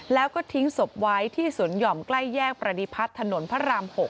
แล้วก็ทิ้งศพไว้ที่สวนหย่อมใกล้แยกประดิพัฒน์ถนนพระราม๖